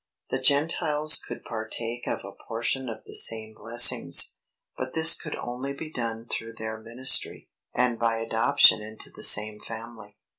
The Gentiles could partake of a portion of the same blessings, but this could only be done through their ministry, and by adoption into the same family.